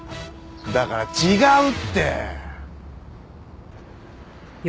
だから違うって！